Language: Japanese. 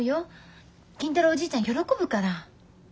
金太郎おじいちゃん喜ぶから。